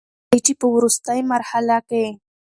تر دې چې په ورورستۍ مرحله کښې